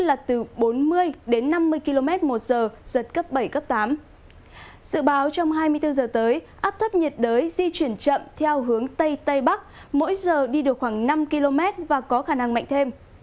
áp thấp nhiệt đới di chuyển chậm theo hướng tây tây bắc mỗi giờ đi được khoảng năm km và có khả năng mạnh thêm